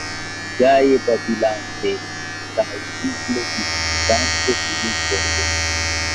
Gaje babilante kaj vigle diskutante, ili foriris.